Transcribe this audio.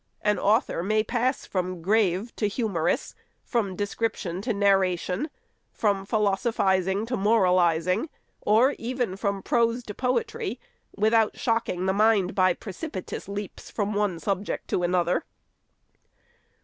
An author may pass from grave to humorous, from description to narration, from philosophizing to moralizing, or even from prose to poetry, without shocking the mind by precipitous leaps from one subject to another.